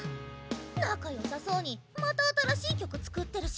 仲良さそうにまた新しい曲作ってるし。